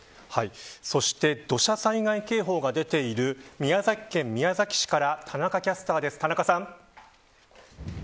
そして土砂災害警戒情報が出ている宮崎県宮崎市から田中キャスターです、田中さん。